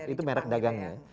itu merek dagangnya